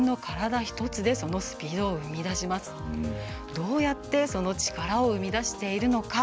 どうやってその力を生み出しているのか。